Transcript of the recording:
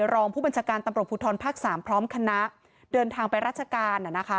รองผู้บัญชาการตำรวจภูทรภาค๓พร้อมคณะเดินทางไปราชการ